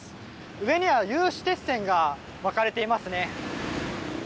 上には有刺鉄線が巻かれていますね。